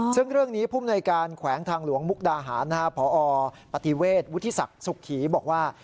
ซึ่งเรื่องนี้ภูมิในการแขวงทางหลวงมุกดาหารพอปฏิเวทวุฒิศักดิ์สุขีบอกว่า